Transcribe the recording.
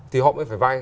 thì họ mới phải vai